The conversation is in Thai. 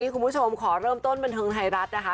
คุณผู้ชมขอเริ่มต้นบันเทิงไทยรัฐนะคะ